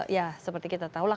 ya seperti kita tahulah